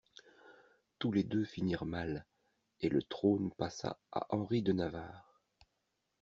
Tous les deux finirent mal, et le trône passa à Henri de Navarre.